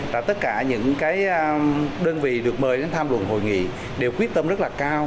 tất cả những đơn vị được mời đến tham luận hội nghị đều quyết tâm rất là cao